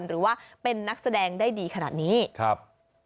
หรือว่าเป็นนักแสดงได้ดีขนาดนี้ครับ